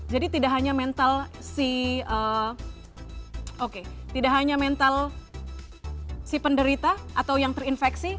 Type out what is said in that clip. jadi tidak hanya mental si penderita atau yang terinfeksi